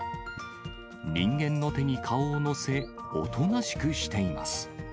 人間の手に顔を載せ、おとなしくしています。